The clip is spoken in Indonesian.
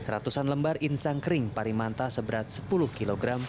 ratusan lembar insang kering parimanta seberat sepuluh kg